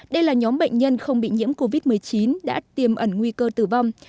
đây là nhóm bệnh nhân không bị nhiễm covid một mươi chín đã tiềm ẩn nguy cơ tử vong